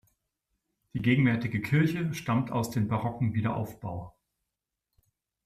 Die gegenwärtige Kirche stammt aus dem barocken Wiederaufbau.